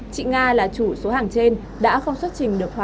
chị nga là chủ số hàng trên đã không xuất trình được hóa